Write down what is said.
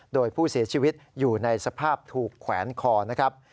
โดยผู้เสียชีวิตอยู่ในสภาพถูกแขวนคอนะครับ